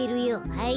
はい。